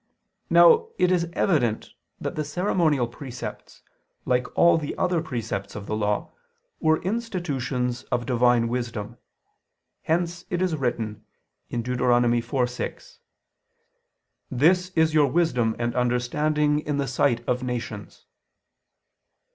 Now it is evident that the ceremonial precepts, like all the other precepts of the Law, were institutions of Divine wisdom: hence it is written (Deut. 4:6): "This is your wisdom and understanding in the sight of nations."